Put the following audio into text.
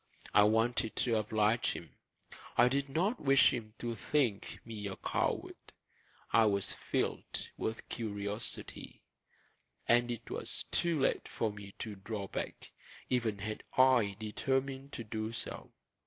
I wanted to oblige him; I did not wish him to think me a coward; I was filled with curiosity; and it was too late for me to draw back, even had I determined to do so.